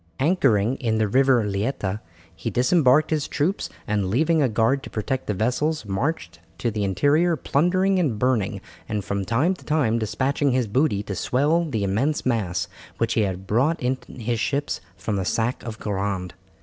Anchoring in the River Leita, he disembarked his troops, and leaving a guard to protect the vessels marched to the interior, plundering and burning, and from time to time despatching his booty to swell the immense mass which he had brought in his ships from the sack of Guerande.